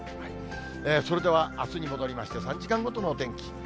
それではあすに戻りまして、３時間ごとのお天気。